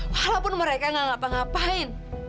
walaupun mereka gak ngapa ngapain